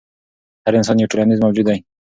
هر انسان یو ټولنیز موجود دی.